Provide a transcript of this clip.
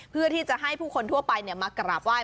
เพื่อที่จะให้ผู้คนทั่วไปมากราบไห้